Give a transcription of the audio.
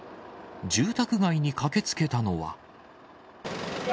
住宅街に駆けつけたのは。